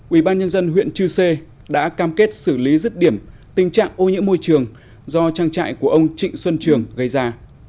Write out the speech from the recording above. ubnd huyện chư sê đã cam kết xử lý rứt điểm tình trạng ô nhiễm môi trường do trang trại của ông trịnh xuân trường gây ra